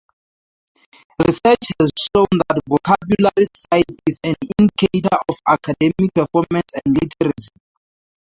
Research has shown that vocabulary size is an indicator of academic performance and literacy.